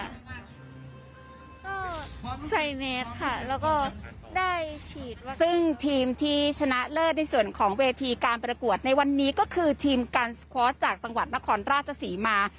ก็ใส่เวสค่ะแล้วก็ได้ฉีดซึ่งทีมที่ชนะเลิศในส่วนของเวทีการประกวดในวันนี้ก็คือทีมการสคอร์สจากจังหวัดนครราชศรีมา